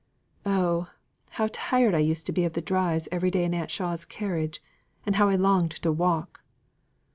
Oh! how tired I used to be of the drives every day in Aunt Shaw's carriage, and how I longed to walk!"